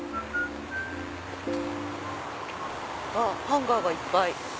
あっハンガーがいっぱい。